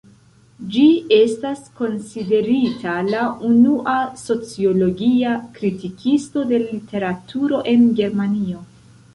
Ĝi estas konsiderita la unua "sociologia" kritikisto de literaturo en Germanio.